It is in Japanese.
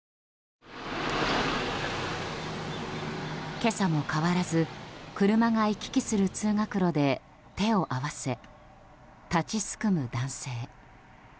今朝も変わらず車が行き来する通学路で手を合わせ、立ちすくむ男性。